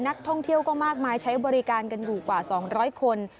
นักท่องเที่ยวก็มากมายใช้บริการกันอยู่กว่า๒๐๐คน